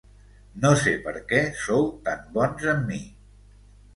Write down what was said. No sé per què sou tan bons amb mi.